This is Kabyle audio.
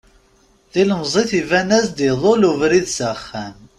Tilemẓit iban-as-d iḍul ubrid s axxam.